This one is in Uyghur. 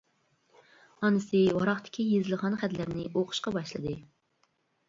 ئانىسى ۋاراقتىكى يېزىلغان خەتلەرنى ئوقۇشقا باشلىدى.